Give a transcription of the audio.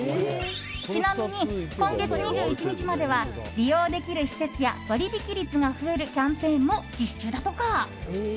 ちなみに今月２１日までは利用できる施設や割引率が増えるキャンペーンも実施中だとか。